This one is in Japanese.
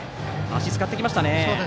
足を使ってきましたね。